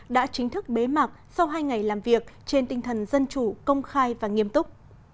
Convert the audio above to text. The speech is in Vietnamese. đã chính thức bế mạc sau hai ngày làm việc trên tinh thần dân chủ công khai và nghiêm túc